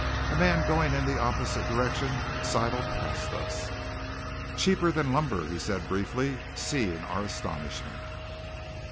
A man going in the opposite direction sidled past us. "Cheaper than lumber," said he briefly, seeing our astonishment.